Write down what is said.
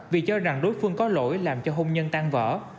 vì cho rằng đối phương có lỗi làm cho hôn nhân tan vỡ